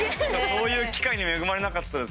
そういう機会に恵まれなかったです。